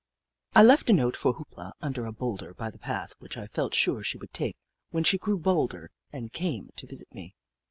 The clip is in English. I left a note for Hoop La under a boulder by the path which I felt sure she would take when she grew bolder and came to visit me.